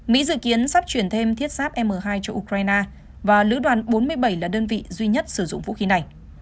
mỹ dự kiến sắp chuyển thêm thiết giáp m hai cho ukraine và lữ đoàn bốn mươi bảy là đơn vị duy nhất sử dụng vũ khí này